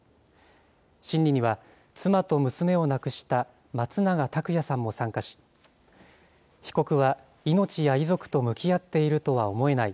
審理には妻と娘を亡くした松永拓也さんも参加し、被告は命や遺族と向き合っているとは思えない。